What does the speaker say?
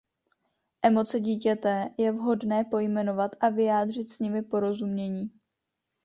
Emoce dítěte je vhodné pojmenovat a vyjádřit s nimi porozumění.